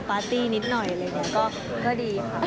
ปาร์ตี้นิดหน่อยอะไรอย่างนี้ก็ดีค่ะ